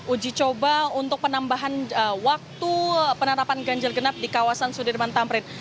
uji coba untuk penambahan waktu penerapan ganjil genap di kawasan sudirman tamrin